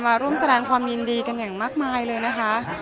มาร่วมแสดงความยินดีกันอย่างมากมายเลยนะคะ